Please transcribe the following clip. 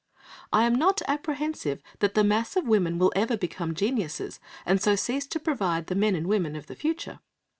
I am not apprehensive that the mass of women will ever become geniuses and so cease to provide the men and women of the future.